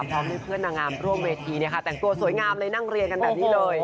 พร้อมด้วยเพื่อนนางงามร่วมเวทีแต่งตัวสวยงามเลยนั่งเรียนกันแบบนี้เลย